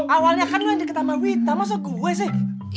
awalnya kan lo yang deket sama wita masa gue sih